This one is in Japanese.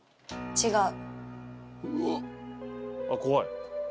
違う。